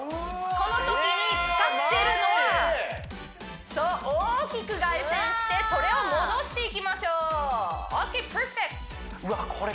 このときに使ってるのはそう大きく外旋してそれを戻していきましょうＯＫパーフェクト！